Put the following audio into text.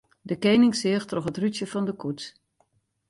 De kening seach troch it rútsje fan de koets.